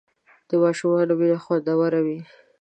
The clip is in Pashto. د ماشومانو مینه خوندور وي.